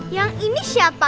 yang ini siapa